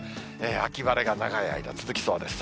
秋晴れが長い間続きそうです。